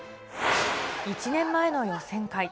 １年前の予選会。